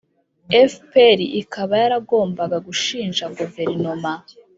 fpr ikaba yaragombaga gushinja guverinoma